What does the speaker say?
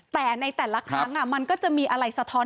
แต่ในแต่ละครั้งมันก็จะมีอะไรสะท้อน